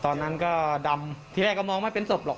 ตอนนั้นก็ดำที่แรกก็มองไม่เป็นศพหรอก